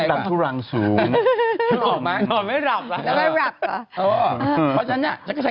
กันชาอยู่ในนี้